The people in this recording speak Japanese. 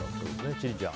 千里ちゃん。